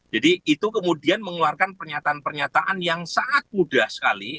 jadi itu kemudian mengeluarkan pernyataan pernyataan yang sangat mudah sekali